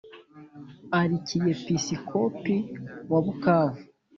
arikiyepisikopi wa bukavu,